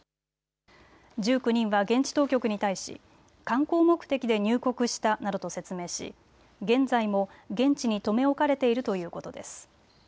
１９人は現地当局に対し観光目的で入国したなどと説明し現在も現地に留め置かれているということです。